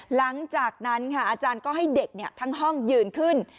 หลังจากนั้นค่ะอาจารย์ก็ให้เด็กทั้งห้องยืนขึ้น